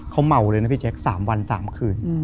เขาเมาเลยนะพี่แจ๊ค๓วัน๓คืน